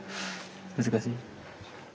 難しい？